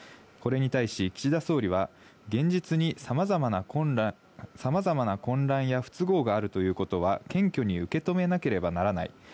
これに対し、岸田総理は、現実にさまざまな混乱や不都合があるということは、謙虚に受け止めなければならない。